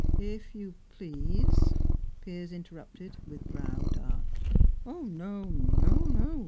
"If you please," Piers interrupted, with brow dark. "No, no, no!"